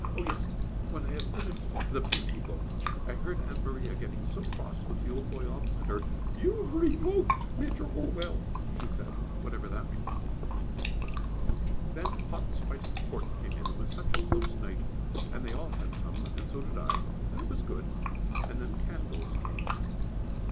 Oh! yes, when I had finished the "Beauty Book," I heard Aunt Maria getting so cross with the old boy opposite her. "You've revoked, Major Orwell," she said, whatever that means. [Sidenote: An Old English Dinner] Then hot spiced port came in it was such a close night and they all had some, and so did I, and it was good; and then candles came.